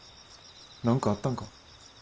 何かあったんか。